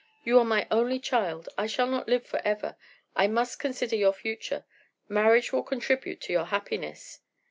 You are my only child; I shall not live forever; I must consider your future. Marriage will contribute to your happiness."